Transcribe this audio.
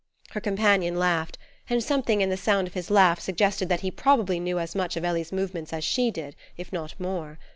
Her companion laughed, and something in the sound of his laugh suggested that he probably knew as much of Ellie's movements as she did, if not more.